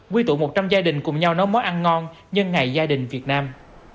quy tụ một trăm linh gia đình cùng nhau nấu món ăn ngon nhân ngày gia đình việt nam